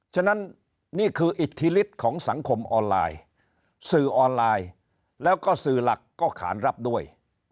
ฉะนั้นนี่คืออิทธิฤทธิ์ของสังคมออนไลน์สื่อออนไลน์แล้วก็สื่อหลักก็ขานรับด้วย